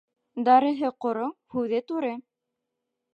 Дарыһы ҡоро, һүҙе туры.